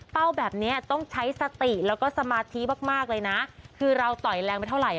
แบบนี้ต้องใช้สติแล้วก็สมาธิมากเลยนะคือเราต่อยแรงไปเท่าไหร